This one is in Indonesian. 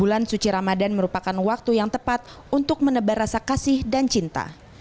bulan suci ramadan merupakan waktu yang tepat untuk menebar rasa kasih dan cinta